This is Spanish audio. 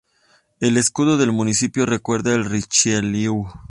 El escudo del municipio recuerda el Richelieu.